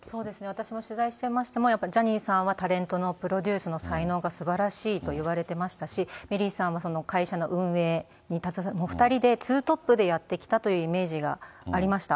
私も取材していましても、やっぱりジャニーさんは、タレントのプロデュースの才能がすばらしいといわれていましたし、メリーさんはその会社の運営に、２人でツートップでやってきたというイメージがありました。